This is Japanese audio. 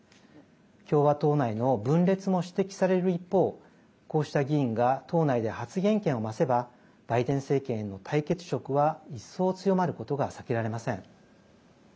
共和党内の分裂も指摘される一方こうした議員が党内で発言権を増せばバイデン政権への対決色は一層強まることが避けられません。